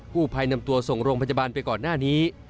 กู้ภัยนำตัวส่งโรงพัณฑ์ปัจจบาร์มไปก่อนหน้านี้